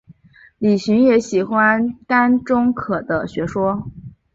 李寻也喜欢甘忠可的学说。